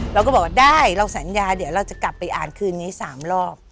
เราก็บอกว่าได้เราสัญญาเดี๋ยวเราจะกลับไปอ่านคืนนี้๓รอบ